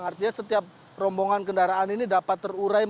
artinya setiap rombongan kendaraan ini dapat terurai